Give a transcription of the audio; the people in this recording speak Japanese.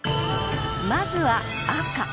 まずは赤。